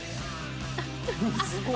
すごい！